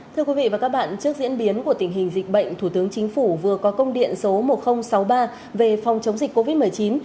thưa quý vị và các bạn trước diễn biến của tình hình dịch bệnh thủ tướng chính phủ vừa có công điện số một nghìn sáu mươi ba về phòng chống dịch covid một mươi chín